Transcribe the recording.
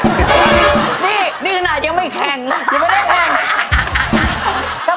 นี่นี่ขนาดเดียวไม่แทงเดี๋ยวไม่ได้แทง